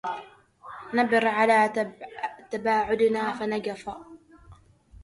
نبر على تباعدنا فنجفى